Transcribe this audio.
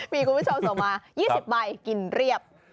มีกุฟูชีพส่งมา๒๐ใบกินเรียบ